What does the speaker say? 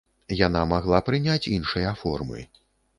Яна магла прыняць іншыя формы.